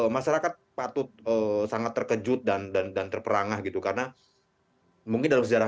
masyarakat patut sangat terkejut dan dan terperangah gitu karena mungkin dalam sejarah